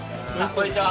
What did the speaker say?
こんにちは